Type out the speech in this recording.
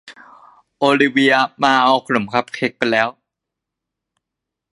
โอลิเวียมาเอาขนมคัพเค้กไปแล้ว